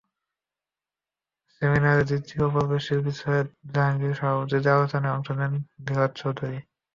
সেমিনারের দ্বিতীয় পর্বে শিল্পী সৈয়দ জাহাঙ্গীরের সভাপতিত্বে আলোচনায় অংশ নেন ধীরাজ চৌধুরী।